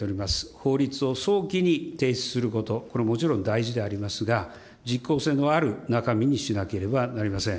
法律を早期に提出すること、これはもちろん大事でありますが、実効性のある中身にしなければなりません。